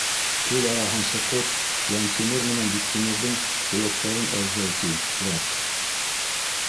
Көл араһын соҡоп, Йәнтимер менән Биктимерҙең һөйәктәрен әҙҙәй, ти... үәт!